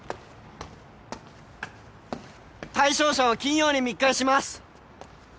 対象者は金曜に密会します。